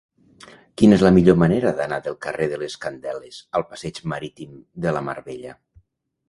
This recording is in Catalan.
Quina és la millor manera d'anar del carrer de les Candeles al passeig Marítim de la Mar Bella?